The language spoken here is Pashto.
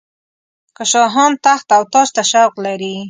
که شاهان تخت او تاج ته شوق لري.